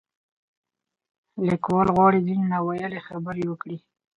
لیکوال غواړي ځینې نا ویلې خبرې وکړي.